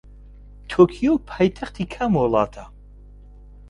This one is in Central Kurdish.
تۆکیۆ پایتەختی کام وڵاتە؟